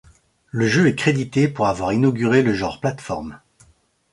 Le jeu est crédité pour avoir inauguré le genre plates-formes.